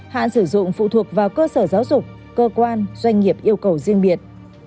hạn sử dụng phụ thuộc vào cơ sở giáo dục cơ quan doanh nghiệp yêu cầu riêng biệt